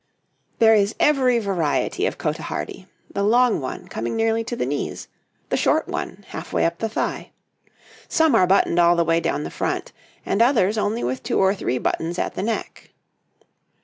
There is every variety of cotehardie the long one, coming nearly to the knees; the short one, half way up the thigh. Some are buttoned all the way down the front, and others only with two or three buttons at the neck.